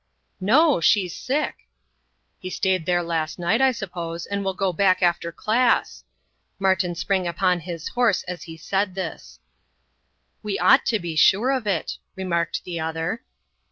"No; she's sick." "He stayed there last night, I suppose, and will go back after class." Martin sprang upon his horse as he said this. "We ought to be sure of it," remarked the other.